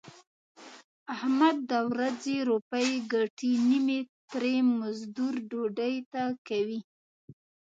احمد د ورځې روپۍ ګټي نیمې ترې مزدور ډډې ته کوي.